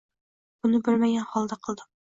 Buni bilmagan holda qildim.